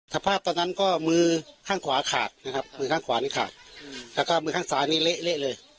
สภาพตอนนั้นก็มือข้างขวาขาดนะครับมือข้างขวานี่ขาดแล้วก็มือข้างซ้ายนี่เละเลย